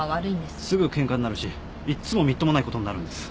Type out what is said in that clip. すぐケンカになるしいっつもみっともないことになるんです。